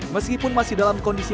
meskipun masih dalam kondisi